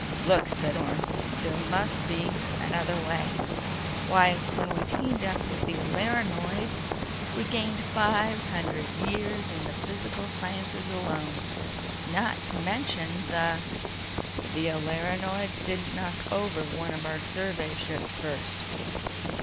"Look," said Orne. "There must be another way. Why ... when we teamed up with the Alerinoids we gained five hundred years in the physical sciences alone, not to mention the—" "The Alerinoids didn't knock over one of our survey ships first."